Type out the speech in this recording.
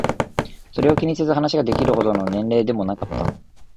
それを気にせず話ができるほどの年齢でもなかった。